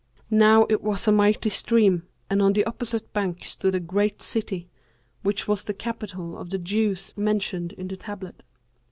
Now it was a mighty stream and on the opposite bank stood a great city, which was the capital of the Jews mentioned in the tablet.